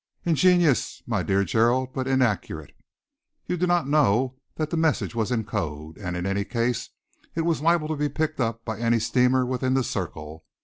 "Ingenious, my dear Gerald, but inaccurate. You do not know that the message was in code, and in any case it was liable to be picked up by any steamer within the circle.